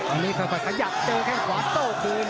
อันนี้ค่อยขยับเจอแค่งขวาโต้คืน